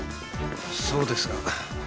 そうですが。